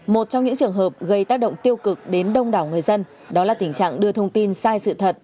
một trong những trường hợp gây tác động tiêu cực đến đông đảo người dân đó là tình trạng đưa thông tin sai sự thật